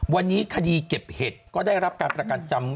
วันนี้คดีเก็บเห็ดก็ได้รับการประกันจำ